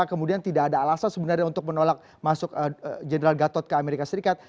kemudian tidak ada alasan sebenarnya untuk menolak masuk general gatot ke amerika serikat